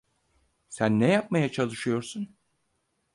Sen ne yapmaya çalışıyorsun?